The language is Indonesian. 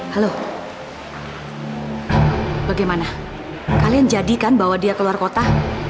halo bagaimana kalian jadikan bahwa dia keluar kota